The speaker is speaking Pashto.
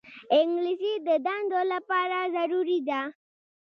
انګلیسي د دندو لپاره ضروري ده